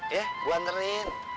ya gua nganterin